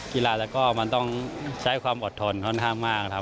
กีฬาแล้วก็มันต้องใช้ความอดทนค่อนข้างมากครับ